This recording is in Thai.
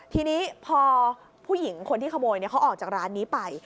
ทีนี้พอผู้หญิงคนที่ขโมยเขาออกจากร้านนี้ไป